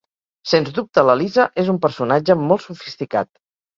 Sens dubte, la Lisa és un personatge molt sofisticat.